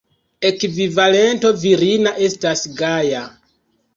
Ekvivalento virina estas Gaja.